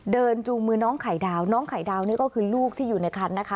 จูงมือน้องไข่ดาวน้องไข่ดาวนี่ก็คือลูกที่อยู่ในคันนะคะ